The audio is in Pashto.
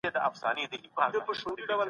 د دولت قدرت بايد قانوني وي.